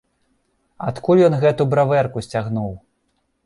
Адкуль ён гэту бравэрку сцягнуў?